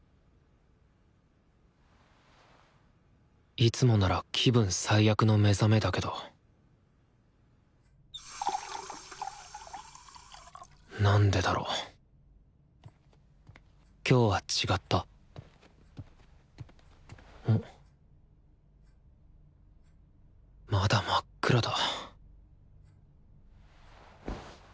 いつもなら気分最悪の目覚めだけどなんでだろ今日は違ったまだ真っ暗だ